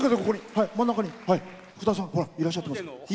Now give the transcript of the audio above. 福田さん、いらっしゃってます。